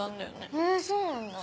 へぇそうなんだ。